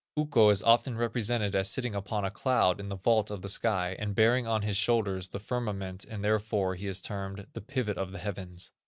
Ukko is often represented as sitting upon a cloud in the vault of the sky, and bearing on his shoulders the firmament, and therefore he is termed, "The Pivot of the Heavens."